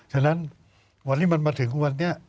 ฉะนั้นวันนี้มันมาถึงวันนี้